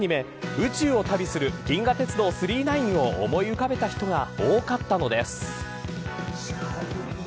宇宙を旅する銀河鉄道９９９を思い浮かべた人が多かったのです。